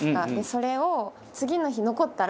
それを。